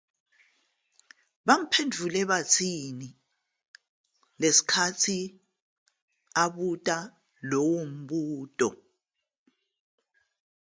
Bamphendula bathini ngenkathi ebuza lowo mbuzo?